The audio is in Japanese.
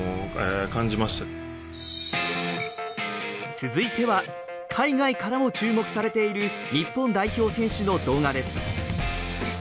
続いては海外からも注目されている日本代表選手の動画です。